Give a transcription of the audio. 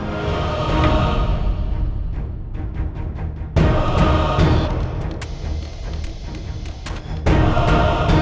oh ini udah kena